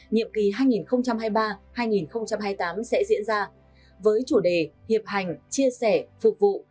nhiệm kỳ hai nghìn hai mươi ba hai nghìn hai mươi tám sẽ diễn ra với chủ đề hiệp hành chia sẻ phục vụ